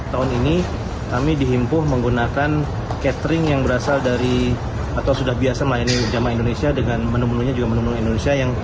tahun ini kami dihimpuh menggunakan catering yang berasal dari atau sudah biasa melayani jamaah indonesia dengan menu menunya juga menu menu indonesia